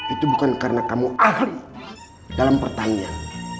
itu bukan karena kamu ahli dalam pertanian